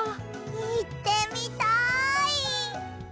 いってみたい！